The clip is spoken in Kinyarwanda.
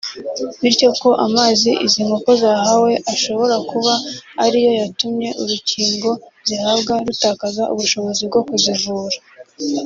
bityo ko amazi izi nkoko zahawe ashobora kuba ariyo yatumye urukingo zihabwa rutakaza ubushobozi bwo kuzivura